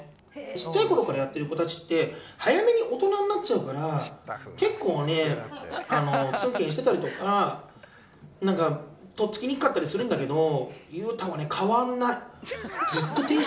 小さいころからやってる子たちって早めに大人になっちゃうから結構ツンケンしてたりとかとっつきにくかったりするんだけど裕太は変わんない。